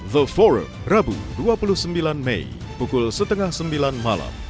the for rabu dua puluh sembilan mei pukul setengah sembilan malam